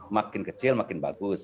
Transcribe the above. makin kecil makin bagus